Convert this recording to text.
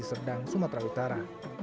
di serdang sumatera utara